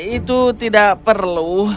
itu tidak perlu